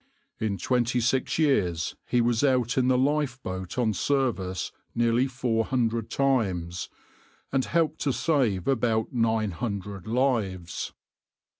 In twenty six years he was out in the lifeboat on service nearly four hundred times, and helped to save about nine hundred lives.